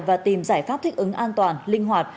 và tìm giải pháp thích ứng an toàn linh hoạt